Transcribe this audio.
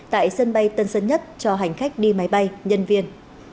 tại sân bay tân sơn nhất cho hành khách đi máy bay nhân viên